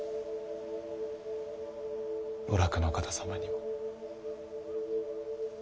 お楽の方様にも。